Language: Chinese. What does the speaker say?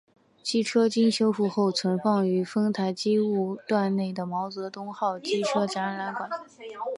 机车经修复后存放于丰台机务段内的毛泽东号机车展览馆。